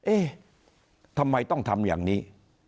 เอ๊ะทำไมต้องทำอย่างนี้